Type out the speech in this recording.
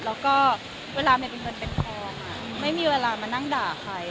แล้วก็เวลาเมย์เป็นเงินเป็นทองไม่มีเวลามานั่งด่าใคร